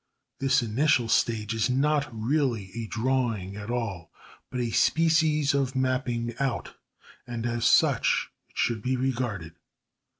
This initial stage is not really a drawing at all, but a species of mapping out, and as such it should be regarded.